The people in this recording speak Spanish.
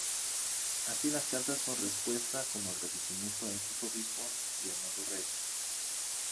Así las cartas son respuesta como agradecimiento a estos obispos y al nuevo rey.